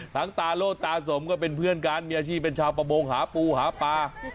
ตาโลดตาสมก็เป็นเพื่อนกันมีอาชีพเป็นชาวประมงหาปูหาปลา